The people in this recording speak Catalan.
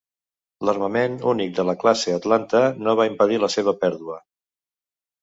L'armament únic de la classe "Atlanta" no va impedir la seva pèrdua.